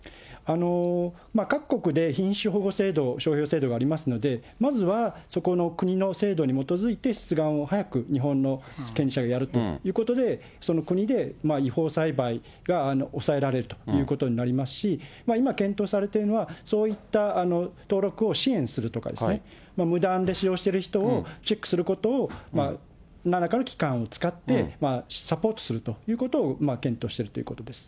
各国で品種保護制度、商標制度がありますので、まずはそこの国の制度に基づいて出願を早く、日本の権者がやるということで、その国で違法栽培がおさえられるということになりますし、今、検討されてるのは、そういった登録を支援するとかですね、無断でしようとしている人をチェックすることを、なんらかの機関を使って、サポートするということを、検討してるということです。